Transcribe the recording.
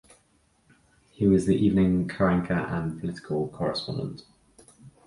He was the evening co-anchor and political correspondent.